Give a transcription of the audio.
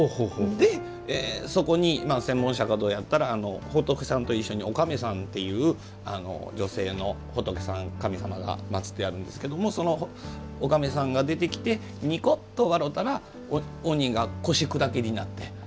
そこに、千本釈迦堂やったら仏さんと一緒におかめさんという女性の神様が祭ってあるんですけどそのおかめさんがいらしてニコッと、わろたら鬼が腰砕けになって。